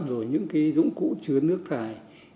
rồi những cái dũng cụ chứa nước thẳng